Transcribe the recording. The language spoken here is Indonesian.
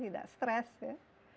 tidak stres ya